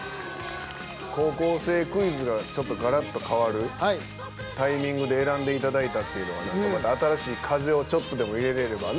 高校生クイズがちょっとがらっと変わるタイミングで選んでいただいたっていうのは、また新しい風をちょっとでも入れればね。